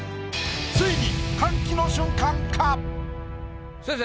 ついに歓喜の瞬間か⁉先生